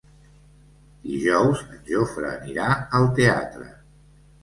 Dijous en Jofre anirà al teatre.